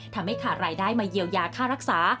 ทำให้ขาดรายได้มาเยียวยาค่ารักษา